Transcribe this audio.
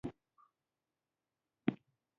د سترګو د خارښ لپاره د ګلاب اوبه وکاروئ